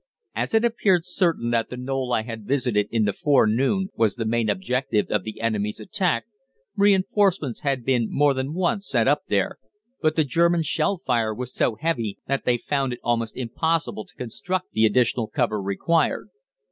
As it appeared certain that the knoll I had visited in the forenoon was the main objective of the enemy's attack, reinforcements had been more than once sent up there, but the German shell fire was so heavy that they found it almost impossible to construct the additional cover required.